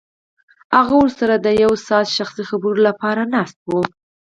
هغه ورسره د یو ساعته خصوصي خبرو لپاره ناست و